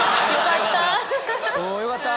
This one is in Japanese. よかった。